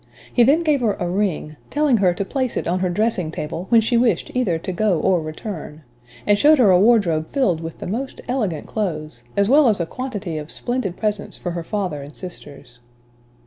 He then gave her a ring, telling her to place it on her dressing table, when she wished either to go or return; and showed her a wardrobe filled with the most elegant clothes, as well as a quantity of splendid presents for her father and sisters.